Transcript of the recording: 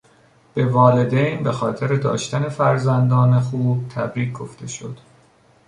به والدین به خاطر داشتن فرزندان خوب تبریک گفته شد.